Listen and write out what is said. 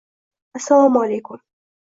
Assalomu alaykum.